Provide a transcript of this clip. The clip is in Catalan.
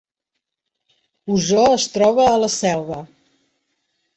Osor es troba a la Selva